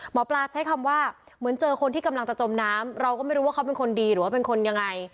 หมอปลาใช้คำว่าเหมือนเจอคนที่กำลังจะจมน้ำเราก็ไม่รู้ว่าเขาเป็นคนดีหรือว่าเป็นคนยังไง